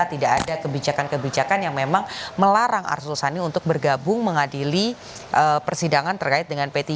tidak ada kebijakan kebijakan yang memang melarang arsul sani untuk bergabung mengadili persidangan terkait dengan p tiga